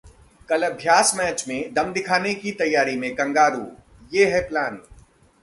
कल अभ्यास मैच में दम दिखाने की तैयारी में कंगारू, ये है प्लान